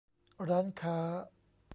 ร้านค้า